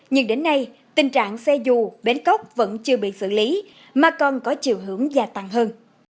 nhưng đến nay tình trạng xe dù bến cóc vẫn chưa bị xử lý mà còn có chiều hướng gia tăng hơn